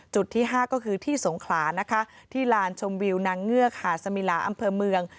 ที่๕ก็คือที่สงขลานะคะที่ลานชมวิวนางเงือกหาดสมิลาอำเภอเมือง